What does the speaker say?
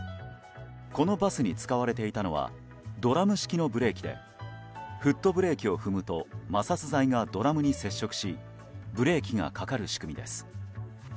このバスに使われていたのはドラム式のブレーキでフットブレーキを踏むと摩擦材がドラムに接触しブレーキがかかる仕組みです。